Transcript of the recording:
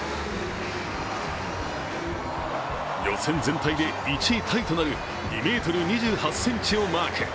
予選全体で１位タイとなる２ｍ２８ｃｍをマーク。